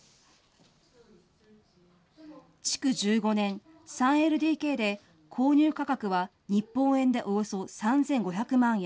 築１５年、３ＬＤＫで、購入価格は日本円でおよそ３５００万円。